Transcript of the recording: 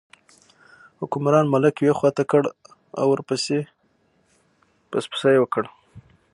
حکمران ملک یوې خوا ته کړ او ور یې پسپسي وکړل.